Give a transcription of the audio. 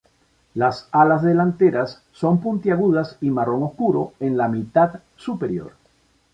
Las alas delanteras son puntiagudas y marrón oscuro en la mitad superior.